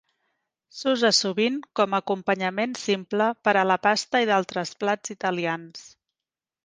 S'usa sovint com a acompanyament simple per a la pasta i d'altres plats italians.